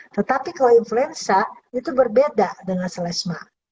tetapi kalau influenza itu berbeda dengan selesma